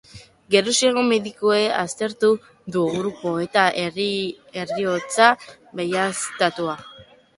Geroxeago, medikuak aztertu du gorpua, eta heriotza baieztatu.